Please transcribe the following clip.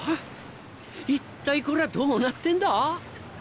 一体これはどうなってんだ？